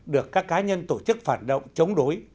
được các cá nhân tổ chức phản động chống đối